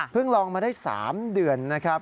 ลองมาได้๓เดือนนะครับ